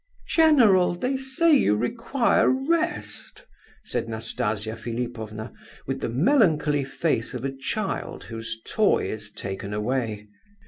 "General, they say you require rest," said Nastasia Philipovna, with the melancholy face of a child whose toy is taken away.